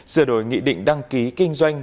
giờ đổi nghị định đăng ký kinh doanh